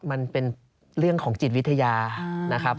มันเป็นเรื่องของจิตวิทยานะครับ